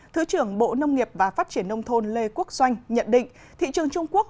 thứ trưởng bộ nông nghiệp và phát triển nông thôn lê quốc doanh nhận định thị trường trung quốc